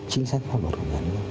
chính sách pháp luật hồ chí minh